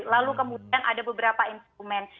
lalu kemudian ada beberapa instrumen